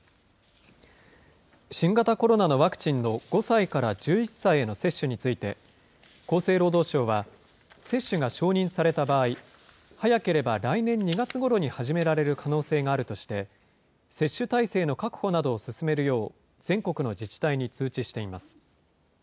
新型コロナのワクチンの５歳から１１歳への接種について、厚生労働省は、接種が承認された場合、早ければ来年２月ごろに始められる可能性があるとして、接種体制の確保などを進めるよう、全国の自治体に通知しています。